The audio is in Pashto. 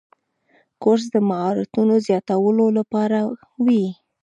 کورس د مهارتونو زیاتولو لپاره وي.